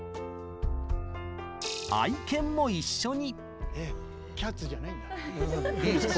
愛犬も一緒に。